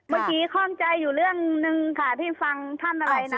คล่องใจอยู่เรื่องหนึ่งค่ะที่ฟังท่านอะไรนะ